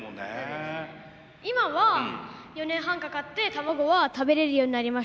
今は４年半かかって卵は食べれるようになりました。